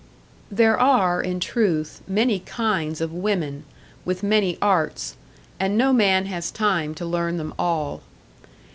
There are, in truth, many kinds of women, with many arts, and no man has time to learn them all.